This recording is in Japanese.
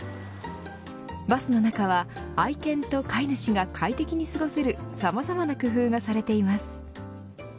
バスの中は愛犬と飼い主が快適に過ごせるさまざまな工夫がされています。